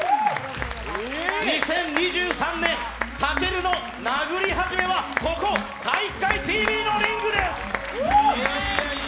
２０２３年、武尊の殴り始めは、ここ「体育会ＴＶ」のリングです。